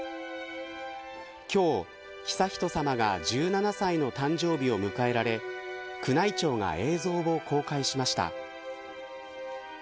今日、悠仁さまが１７歳の誕生日を迎えられ宮内庁が映像を公開しました。